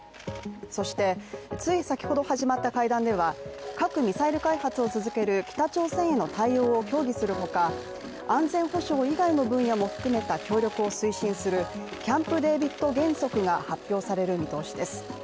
そして、つい先ほど始まった会談では核・ミサイル開発を続ける北朝鮮への対応を協議するほか、安全保障以外の分野も含めた協力を推進するキャンプデービッド原則が発表される見通しです。